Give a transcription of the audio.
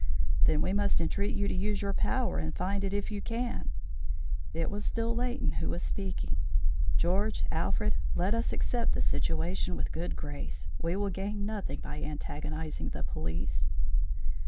"Then we must entreat you to use your power and find it if you can." It was still Leighton who was speaking. "George, Alfred, let us accept the situation with good grace; we will gain nothing by antagonising the police."